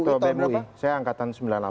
ketua bemu apa saya angkatan sembilan puluh delapan